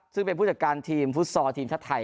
ซึ่งเป็นผู้จัดการทีมฟุตซอลทีมชาติไทย